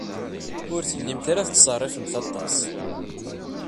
Ur tellimt ara tettṣerrifemt aṭas.